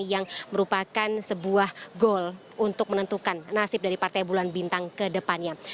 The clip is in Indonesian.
yang merupakan sebuah goal untuk menentukan nasib dari partai bulan bintang ke depannya